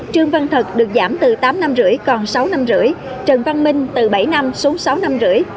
trương văn thật được giảm từ tám năm rưỡi còn sáu năm rưỡi trần văn minh từ bảy năm xuống sáu năm rưỡi